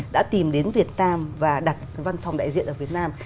đã tìm đến việt nam và đặt văn phòng đại diện ở việt nam